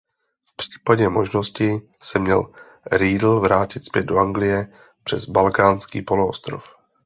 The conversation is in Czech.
V případě možnosti se měl Riedl vrátit zpět do Anglie přes Balkánský poloostrov.